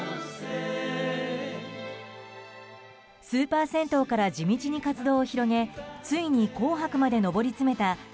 スーパー銭湯から地道に活動を広げついに「紅白」まで上り詰めた